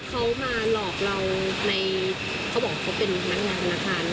เขามาหลอกเราในเขาบอกเขาเป็นพนักงานธนาคาร